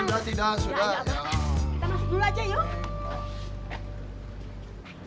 kita masuk dulu aja yuk